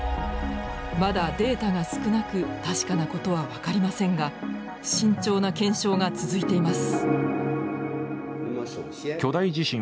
まだデータが少なく確かなことは分かりませんが慎重な検証が続いています。